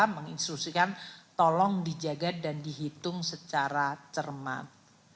menginstruksikan tolong dijaga dan dihitung secara cermat